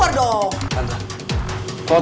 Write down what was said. kalau tante gak mau keluar